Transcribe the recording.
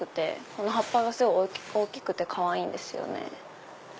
この葉っぱがすごく大きくてかわいいんですよね。